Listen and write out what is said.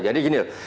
jadi gini loh